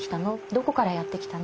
どこからやって来たの？